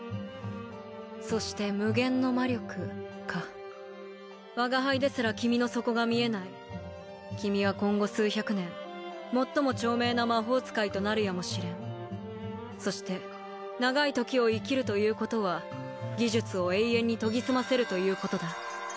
そして無限の魔力か我が輩ですら君の底が見えない君は今後数百年最も長命な魔法使いとなるやもしれんそして長い時を生きるということは技術を永遠に研ぎ澄ませるということだ